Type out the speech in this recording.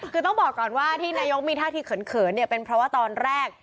คือต้องบอกก่อนว่าที่นายกมีท่าที่เขินเนี่ยเป็นเพราะว่าตอนแรก